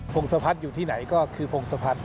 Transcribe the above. ผงสะพัดอยู่ที่ไหนก็คือผงสะพัด